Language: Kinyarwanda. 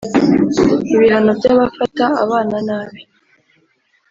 ibihano by’abafata abana nabi